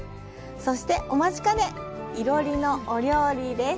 そして、お待ちかね、囲炉裏のお料理です！